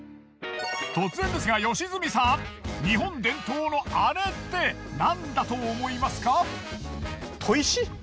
突然ですが良純さん。日本伝統のあれってなんだと思いますか？